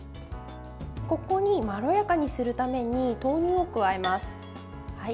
ここに、まろやかにするために豆乳を加えます。